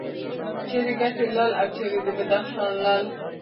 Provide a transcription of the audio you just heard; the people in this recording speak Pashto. چیرې کټې لال او چیرې د بدخشان لعل.